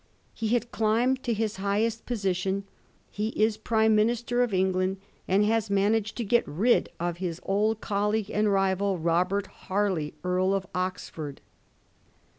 He had climbed to his highest position ; he is Prime Minister of England, and has managed to get rid of his old colleague and riyai^ Robert Harley, Earl of Oxford.